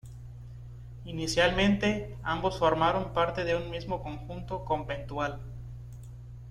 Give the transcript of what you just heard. Inicialmente, ambos formaron parte de un mismo conjunto conventual.